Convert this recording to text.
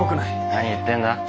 何言ってんだ？